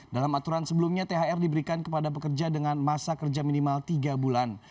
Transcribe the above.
dalam aturan sebelumnya thr diberikan kepada pekerja dengan masa kerja minimal tiga bulan